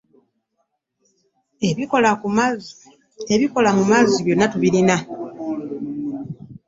Ebikola mu mazzi byonna tubirina.